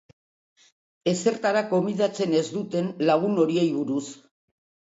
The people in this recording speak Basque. Ezertara gonbidatzen ez duten lagun horiei buruz.